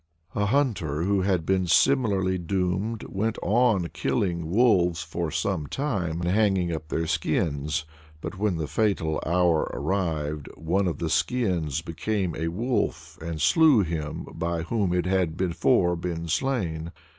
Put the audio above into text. A hunter, who had been similarly doomed, went on killing wolves for some time, and hanging up their skins; but when the fatal hour arrived, one of the skins became a wolf, and slew him by whom it had before been slain.